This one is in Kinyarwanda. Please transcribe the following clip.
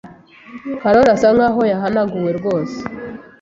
Karoli asa nkaho yahanaguwe rwose.